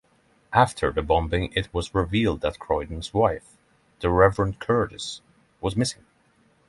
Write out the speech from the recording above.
After the bombing it was revealed that Croydon's wife, the Reverend Curtis, was missing.